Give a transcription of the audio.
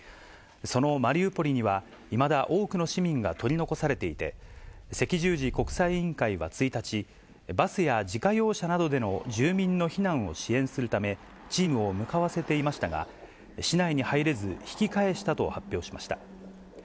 そのマリウポリにはいまだ多くの市民が取り残されていて、赤十字国際委員会は１日、バスや自家用車などでの住民の避難を支援するため、チームを向かわせていましたが、市内に入れず引き返したと発表しました。